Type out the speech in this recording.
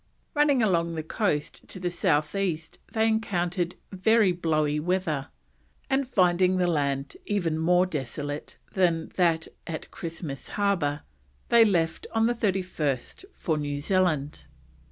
Running along the coast to the south east they encountered very blowy weather, and finding the land even more desolate than that at Christmas Harbour, they left on the 31st for New Zealand.